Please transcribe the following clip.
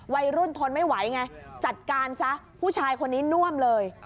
วัยรุ่นทนไม่ไหวไงจัดการซะผู้ชายคนนี้น่วมเลย